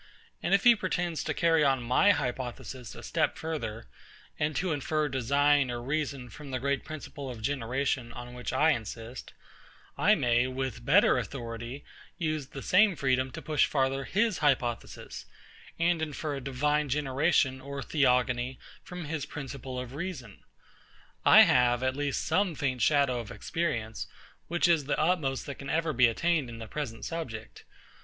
And if he pretends to carry on my hypothesis a step further, and to infer design or reason from the great principle of generation, on which I insist; I may, with better authority, use the same freedom to push further his hypothesis, and infer a divine generation or theogony from his principle of reason. I have at least some faint shadow of experience, which is the utmost that can ever be attained in the present subject.